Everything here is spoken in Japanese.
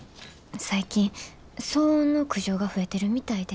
最近騒音の苦情が増えてるみたいで。